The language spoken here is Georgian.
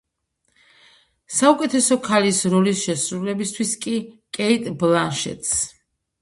საუკეთესო ქალის როლის შესრულებისთვის კი – კეიტ ბლანშეტს.